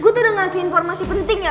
gue tadi ngasih informasi penting ya